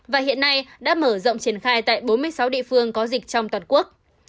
và hiện nay đã mở rộng triển khai tại bốn mươi sáu địa phương có dịch trong toàn quốc